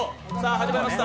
始まりました。